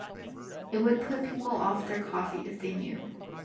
It would put people off their coffee if they knew'.